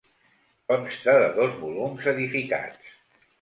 Consta de dos volums edificats.